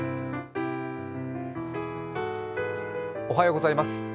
おはようございます。